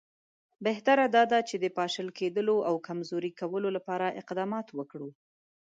بهتره دا ده چې د پاشل کېدلو او کمزوري کولو لپاره اقدامات وکړو.